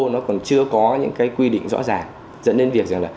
nó còn chưa có những cái quy định rõ ràng dẫn đến việc rằng là